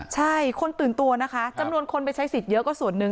ใช่คนตื่นตัวนะคะจำนวนคนไปใช้สิทธิ์เยอะก็ส่วนหนึ่ง